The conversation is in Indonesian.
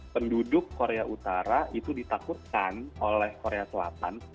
penduduk korea utara itu ditakutkan oleh korea selatan